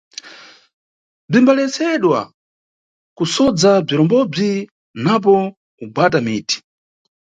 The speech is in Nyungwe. Bzimbaletsedwa kusodza bzirombobzi napo kugwata miti.